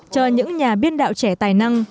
cho những nhà biên đạo trẻ tài năng